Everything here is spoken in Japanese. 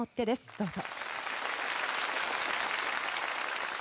どうぞ。